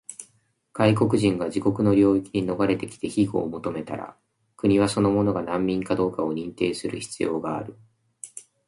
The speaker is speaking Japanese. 外国人が自国の領域に逃れてきて庇護を求めたら、国はその者が難民かどうかを認定する必要がある。